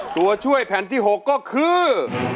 ตัวช่วยแผ่นที่๖ก็คือ